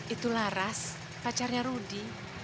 itu laras pacarnya rudy